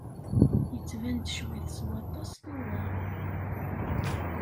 Yettban-d ccwi-t s waṭas tura.